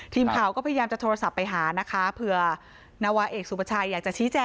ทีมข่าวก็พยายามจะโทรศัพท์ไปหานะคะเผื่อนวาเอกสุประชัยอยากจะชี้แจง